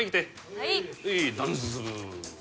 はい